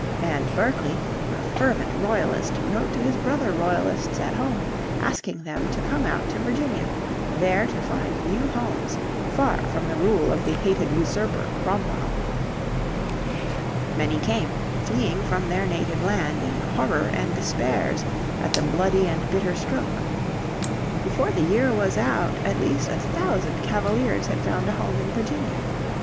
And Berkeley, a fervent Royalist, wrote to his brother Royalists at home asking them to come out to Virginia, there to find new homes far from the rule of the hated "usurper" Cromwell. Many came, fleeing from their native land "in horror and despairs at the bloody and bitter stroke." Before the year was out at least a thousand Cavaliers had found a home in Virginia.